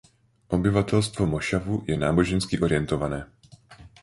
Obyvatelstvo mošavu je nábožensky orientované.